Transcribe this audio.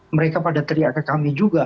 mereka pada teriak ke kami juga